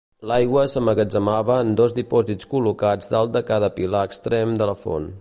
L'aigua s'emmagatzemava en dos dipòsits col·locats dalt de cada pilar extrem de la font.